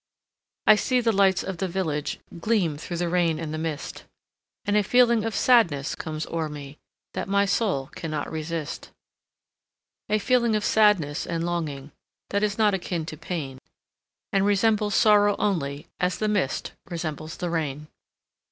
I see the lights of the village Gleam through the rain and the mist, And a feeling of sadness comes o'er me That my soul cannot resist: A feeling of sadness and longing, That is not akin to pain, And resembles sorrow only As the mist resembles the rain.